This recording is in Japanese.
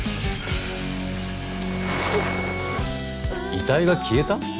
遺体が消えた？